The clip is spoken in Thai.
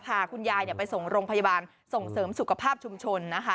พาคุณยายไปส่งโรงพยาบาลส่งเสริมสุขภาพชุมชนนะคะ